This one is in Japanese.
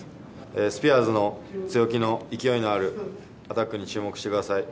スピアーズの強気の勢いのあるアタックに注目してください。